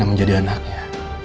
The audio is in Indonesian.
rena menjadi anaknya